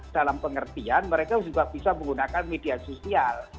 dalam pengertian mereka juga bisa menggunakan media sosial